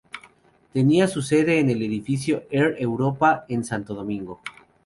Tenía su sede en el edificio Air Europa en Santo Domingo.